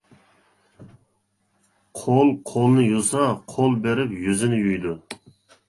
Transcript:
قول قولنى يۇسا، قول بېرىپ يۈزنى يۇيىدۇ.